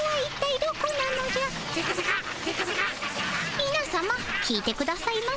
みなさま聞いてくださいません。